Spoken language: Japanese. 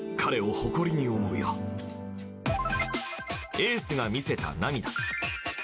エースが見せた涙。